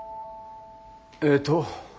えっと。